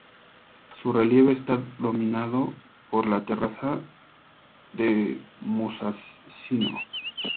Su relieve está dominado por la terraza de Musashino.